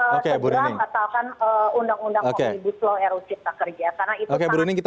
segera mengatakan undang undang menghubungi buslo ru cipta kerja